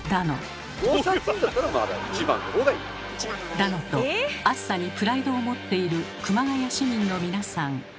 だのと暑さにプライドを持っている熊谷市民の皆さん。